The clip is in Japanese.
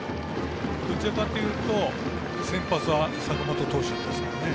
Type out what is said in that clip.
どちらかというと先発は坂本投手ですからね。